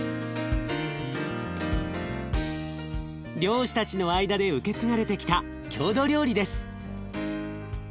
漁師たちの間で受け継がれてきた郷土料理です。